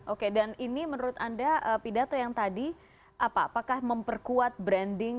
oke dan ini menurut anda pidato yang tadi apakah memperkuat branding